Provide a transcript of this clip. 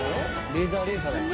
レーザーレーサーだっけ？